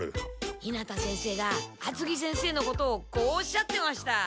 日向先生が厚着先生のことをこうおっしゃってました。